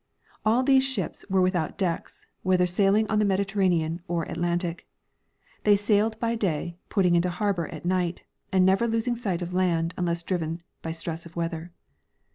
All these ships were without decks, whether sailing on the Mediterranean or Atlantic. They sailed by day, putting into harbor at night, and never losing sight of land unless driven by stress of weather.